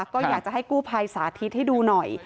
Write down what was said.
ก็อยากจะให้กู้ภัยสาธิตให้ดูหน่อย